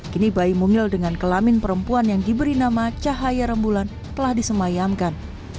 kini bayi mungil dengan kelamin perempuan yang diberi nama cahaya rembulan telah disemayamkan